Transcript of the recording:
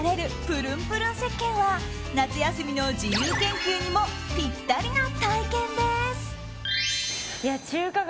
プルンプルンせっけんは夏休みの自由研究にもピッタリな体験です。